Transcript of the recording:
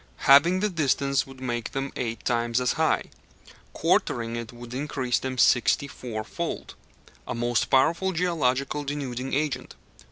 Halving the distance would make them eight times as high; quartering it would increase them sixty four fold. A most powerful geological denuding agent.